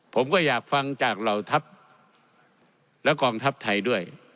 ผมก็อยากฟังจากเหล่าทัพและกองทัพไทยด้วย